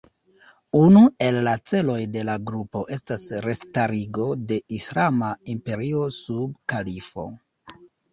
Unu el la celoj de la grupo estas restarigo de islama imperio sub kalifo.